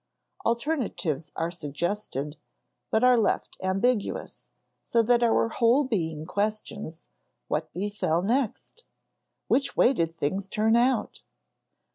Alternatives are suggested, but are left ambiguous, so that our whole being questions: What befell next? Which way did things turn out?